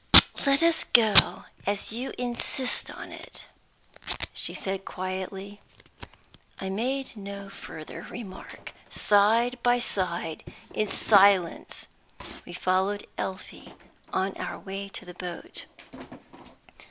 "Let us go, as you insist on it," she said, quietly. I made no further remark. Side by side, in silence we followed Elfie on our way to the boat.